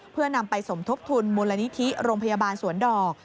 เพื่อนำไปสมทบทุนมูลนิธิโรงพยาบาลสวนดอก